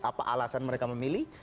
apa alasan mereka memilih